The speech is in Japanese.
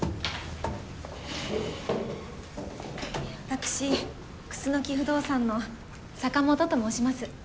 私くすの木不動産の坂元と申します。